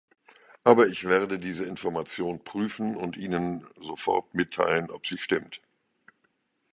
Aber ich werde diese Information prüfen und Ihnen sofort mitteilen, ob sie stimmt.